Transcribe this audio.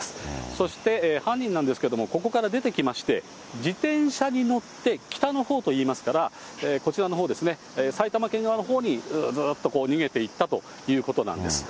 そして犯人なんですけれども、ここから出てきまして、自転車に乗って、北のほうといいますから、こちらのほうですね、埼玉県側のほうにずっと逃げていったということなんです。